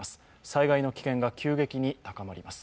災害の危険が急激に高まります。